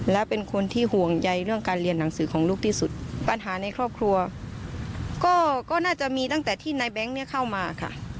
และเป็นคนที่ห่วงใยเรื่องการเรียนหนังสือของลูกที่สุดปัญหาในครอบครัวก็น่าจะมีตั้งแต่ที่นายแบงค์เนี่ยเข้ามาค่ะ